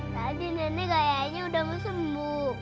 tadi nenek kayaknya udah mesebub